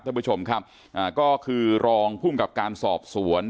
ท่านผู้ชมครับอ่าก็คือรองภูมิกับการสอบสวน